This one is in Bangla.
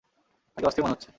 তাকে অস্থির মনে হচ্ছে।